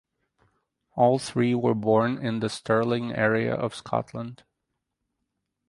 All three were born in the Stirling area of Scotland.